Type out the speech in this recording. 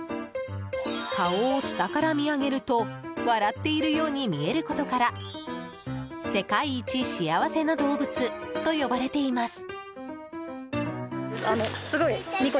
顔を下から見上げると笑っているように見えることから世界一幸せな動物と呼ばれています。